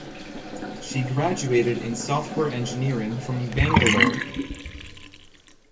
She graduated in software engineering from Bangalore.